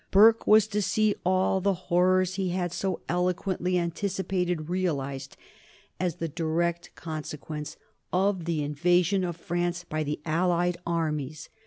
Burke was to see all the horrors he had so eloquently anticipated realized as the direct consequence of the invasion of France by the allied armies.